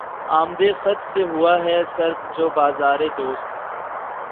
آمدِ خط سے ہوا ہے سرد جو بازارِ دوست